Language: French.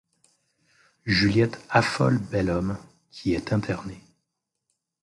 Juliette affole Belhomme qui est interné.